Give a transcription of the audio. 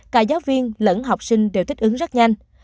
cả giáo viên lẫn học sinh đều thích ứng rất nhanh